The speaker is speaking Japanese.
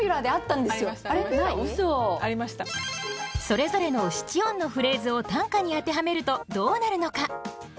それぞれの七音のフレーズを短歌に当てはめるとどうなるのか。